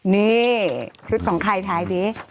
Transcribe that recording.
นี่ชุดของใครถ่ายดิ